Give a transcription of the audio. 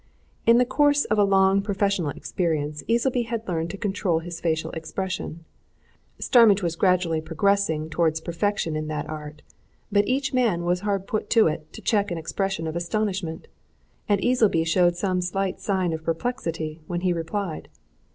In the course of a long professional experience Easleby had learned to control his facial expression; Starmidge was gradually progressing towards perfection in that art. But each man was hard put to it to check an expression of astonishment. And Easleby showed some slight sign of perplexity when he replied.